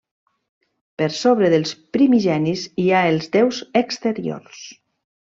Per sobre dels Primigenis hi ha els déus Exteriors.